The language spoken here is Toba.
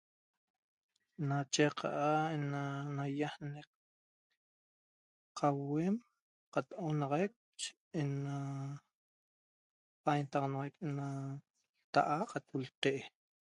Na checa'a na nayiaanec qauem qataq onaxaic ena pantaxanai ena ltaa qataq ltee